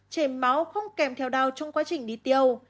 chảy máu không kèm theo đau trong quá trình đi tiêu